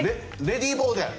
レディーボーデン。